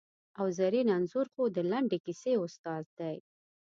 او زرین انځور خو د لنډې کیسې استاد دی!